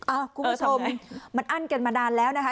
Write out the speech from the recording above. คุณผู้ชมมันอั้นกันมานานแล้วนะคะ